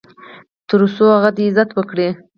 تر څو هغه دې عزت وکړي .